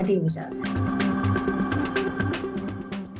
pembatasan angkutan pribadi